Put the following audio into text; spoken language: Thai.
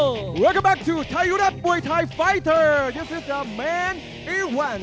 สวัสดีที่กลับมามวยไทยไฟเตอร์นี่คือเวลาแรก